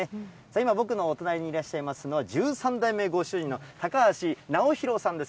今、僕のお隣にいらっしゃいますのは、１３代目ご主人の高橋尚寛さんです。